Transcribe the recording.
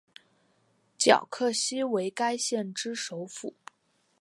皎克西为该县之首府。